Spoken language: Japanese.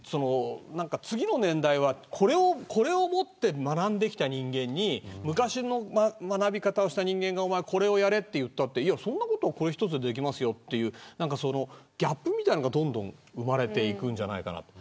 次の年代はこれを持って学んできた人間に昔の学び方をした人間がこれをやれと言ったってそんなことは、これ１つでできますよっていうギャップみたいなのがどんどん生まれていくんじゃないかなと。